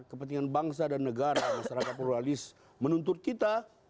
kepentingan bangsa dan negara masyarakat pluralis menuntut kita